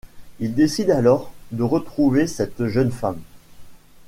Il décide alors, de retrouver cette jeune femme.